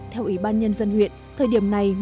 theo ủy ban nhân dân huyện thời điểm này